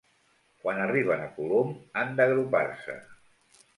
Quan arriben a Colom han d'agrupar-se.